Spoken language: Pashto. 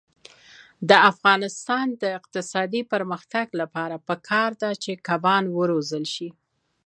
د افغانستان د اقتصادي پرمختګ لپاره پکار ده چې کبان وروزلت شي.